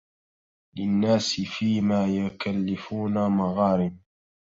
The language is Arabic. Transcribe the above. للناس فيما يكلفون مغارم